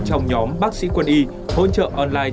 trong nhóm bác sĩ quân y hỗ trợ online